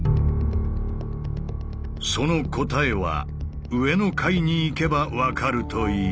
その答えは上の階に行けば分かるという。